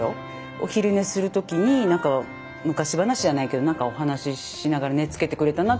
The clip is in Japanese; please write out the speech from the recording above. お昼寝する時になんか昔話じゃないけどなんかお話ししながら寝つけてくれたなとかあるんで。